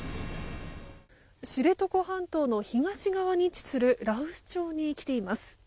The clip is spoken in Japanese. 知床半島の東側に位置する羅臼町に来ています。